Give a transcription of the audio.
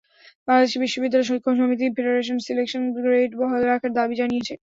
বাংলাদেশ বিশ্ববিদ্যালয় শিক্ষক সমিতি ফেডারেশন সিলেকশন গ্রেড বহাল রাখার দাবি জানিয়েছে।